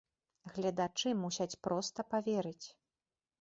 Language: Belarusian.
Гледачы мусяць проста паверыць.